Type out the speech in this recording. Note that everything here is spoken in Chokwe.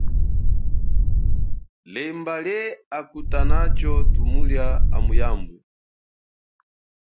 Lemba, lie akutanatsho thumulia amu yambu.